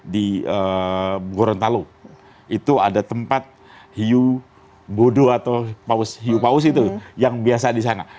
di gorontalo itu ada tempat hiu bodo atau hiu paus itu yang biasa di sana